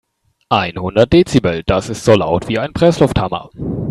Einhundert Dezibel, das ist so laut wie ein Presslufthammer.